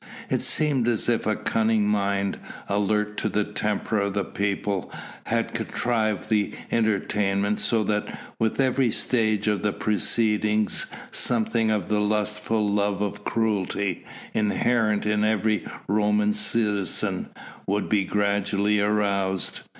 It seemed as if a cunning mind, alert to the temper of the people, had contrived the entertainment so that with every stage of the proceedings something of the lustful love of cruelty, inherent in every Roman citizen, would be gradually aroused.